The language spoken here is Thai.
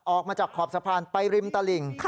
ออกมาจากขอบสะพานไปริมตลิ่ง